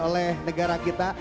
oleh negara kita